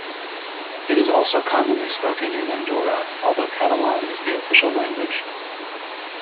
It is also commonly spoken in Andorra, although Catalan is the official language.